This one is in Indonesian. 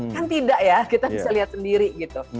kan tidak ya kita bisa lihat sendiri gitu